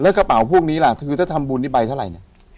แล้วกระเป๋าพวกนี้ถ้าทำบุญในใบเท่าไหร่